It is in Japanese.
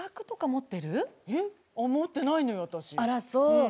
持ってないのよ。